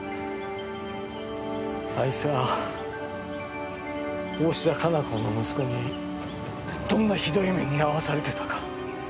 あいつが大信田加奈子の息子にどんなひどい目に遭わされてたか。